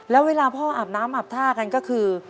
แล้วเวลาพ่ออาบน้ำอาบท่ากันก็คือ